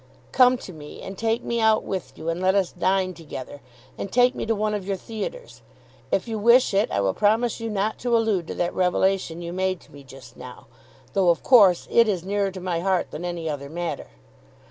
Come to me and take me out with you, and let us dine together, and take me to one of your theatres. If you wish it I will promise you not to allude to that revelation you made to me just now, though of course it is nearer to my heart than any other matter.